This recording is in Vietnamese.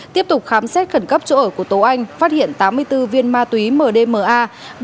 tiếp tục khám xét khẩn cấp chỗ ở của tố anh phát hiện tám mươi bốn viên ma túy mdma